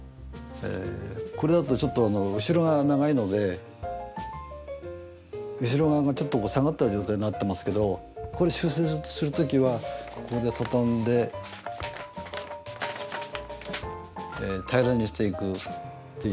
これだとちょっと後ろが長いので後ろ側がちょっと下がった状態になってますけどこれ修正する時はここで畳んで平らにしていくっていう。